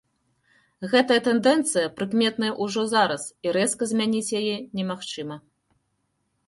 Гэтая тэндэнцыя прыкметная ўжо зараз і рэзка змяніць яе немагчыма.